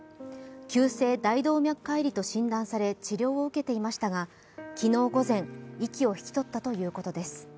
急性大動脈解離と診断され治療を受けていましたが、昨日午前、息を引き取ったということです。